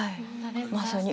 まさに。